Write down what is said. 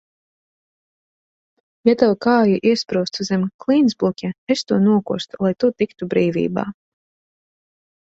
Ja tev kāja iesprūstu zem klintsbluķa, es to nokostu, lai tu tiktu brīvībā.